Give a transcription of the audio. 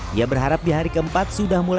dia berharap di hari keempat sudah mulai